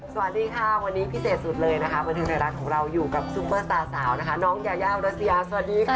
สวัสดีค่ะวันนี้พิเศษสุดเลยนะคะบนทางไทยรักของเราอยู่กับซุปเปอร์สตาร์สาวนะคะ